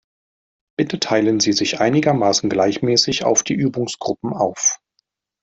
Bitte teilen Sie sich einigermaßen gleichmäßig auf die Übungsgruppen auf.